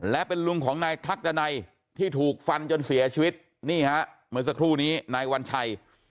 และเป็นลุงของนายทักดันัยที่ถูกฟันจนเสียชีวิตนี่ฮะเมื่อสักครู่นี้นายวัญชัย